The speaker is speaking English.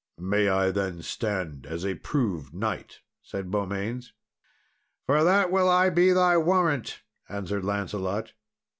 "May I, then, stand as a proved knight?" said Beaumains. "For that will I be thy warrant," answered Lancelot.